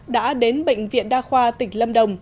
đã đến bệnh viện đa khoa tỉnh lâm đồng